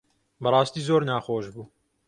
بەڕاستی زۆر ناخۆش بوو.